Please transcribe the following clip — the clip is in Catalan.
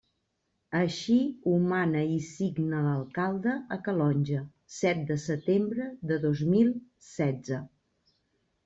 Així ho mana i signa l'alcalde, a Calonge, set de setembre de dos mil setze.